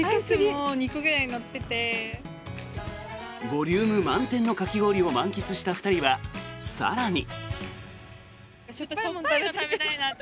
ボリューム満点のかき氷を満喫した２人は、更に。